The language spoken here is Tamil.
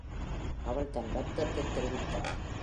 அவள் தன் வருத்தத்தைத் தெரிவித்தாள்.